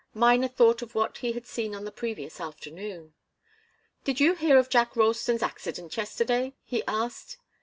Miner thought of what he had seen on the previous afternoon. "Did you hear of Jack Ralston's accident yesterday?" he asked.